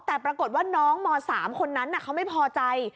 แต่ปรากฏว่าน้องม๓คนนั้นเขาไม่พอใจ